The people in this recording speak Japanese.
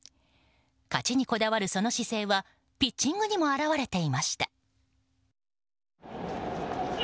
勝ちにこだわるその姿勢はピッチングにも表れていました。